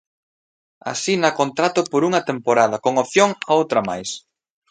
Asina contrato por unha temporada con opción a outra máis.